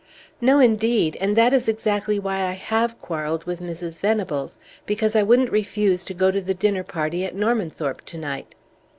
"No, indeed! And that is exactly why I have quarrelled with Mrs. Venables, because I wouldn't refuse to go to the dinner party at Normanthorpe to night!"